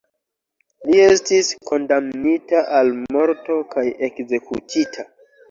Li estis kondamnita al morto kaj ekzekutita.